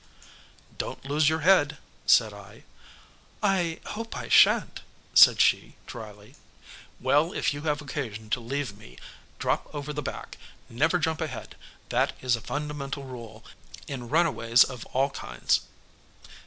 "Don't lose your head," said I. "I hope I shan't," said she dryly. "Well, if you have occasion to leave me, drop over the back. Never jump ahead. That is a fundamental rule in runaways of all kinds."